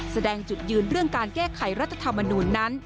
แสดงจุดยืนเรื่องการแก้ไขรัฐธรรมนูลนั้น